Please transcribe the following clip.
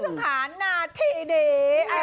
ครับคุณผู้ชมค้าณทีดี